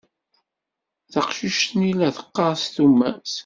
Taqcict-nni la teqqar s tumert.